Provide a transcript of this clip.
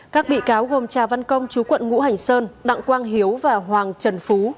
các bị cáo gồm trà văn công chú quận ngũ hành sơn đặng quang hiếu và hoàng trần phú